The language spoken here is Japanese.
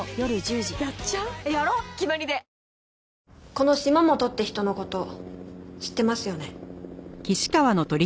この島本って人の事知ってますよね？